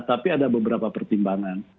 tapi ada beberapa pertimbangan